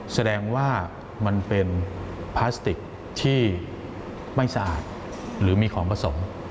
แสดงว่ามันเป็นพลาสติกที่ไม่สะอาดหรือมีของผสม